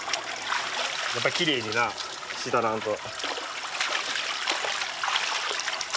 やっぱりきれいになしたらんと。